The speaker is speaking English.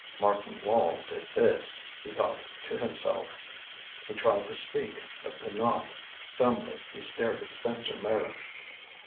"Martin Wall did this," he thought to himself. He tried to speak, but could not. Dumbly he stared at Spencer Meyrick.